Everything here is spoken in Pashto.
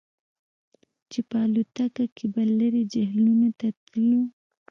چې په الوتکه کې به لرې جهیلونو ته تللو